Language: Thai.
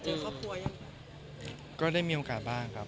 เพื่อนมก็ได้มีโอกาสบ้างครับ